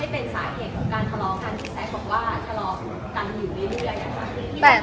ไม่เป็นสาเหตุการทะเล